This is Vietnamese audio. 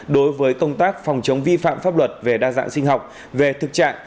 đối với công tác phòng chống vi phạm pháp luật về đa dạng sinh học về thực trạng